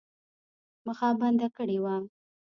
مخه بنده کړې وه.